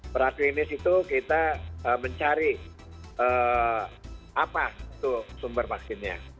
praklinis itu kita mencari apa itu sumber vaksinnya